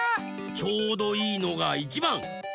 ちょうどいいのがいちばん。